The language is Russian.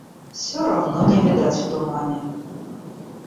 Все равно не видать в тумане.